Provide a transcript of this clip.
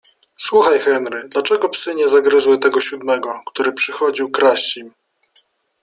- Słuchaj, Henry, dlaczego psy nie zagryzły tego siódmego, który przychodził kraść im